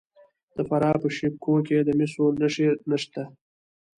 د فراه په شیب کوه کې د مسو نښې شته.